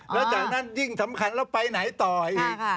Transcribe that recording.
แล้วจากนั้นยิ่งสำคัญแล้วไปไหนต่ออีก